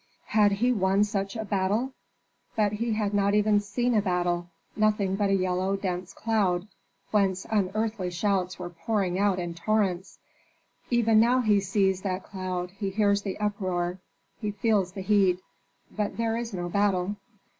Had he won such a battle? But he had not even seen a battle, nothing but a yellow dense cloud, whence unearthly shouts were poured out in torrents. Even now he sees that cloud, he hears the uproar, he feels the heat, but there is no battle.